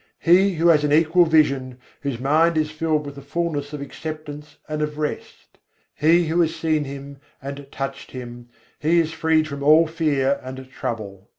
he who has an equal vision, whose mind is filled with the fullness of acceptance and of rest; He who has seen Him and touched Him, he is freed from all fear and trouble.